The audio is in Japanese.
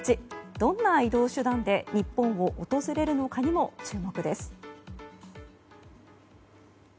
どんな移動手段で日本を訪れるのかにも注目です。